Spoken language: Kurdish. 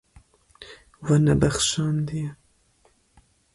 We nebexşandiye.